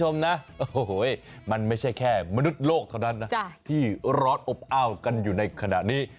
มันไม่ใช่แค่มนุษย์โลกเท่านั้นนะที่ร้อนอบอ้าวกันอยู่ในขณะนี้